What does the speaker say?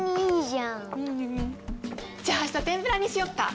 じゃあ明日天ぷらにしよっか。